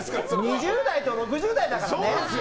２０代と６０代だからね。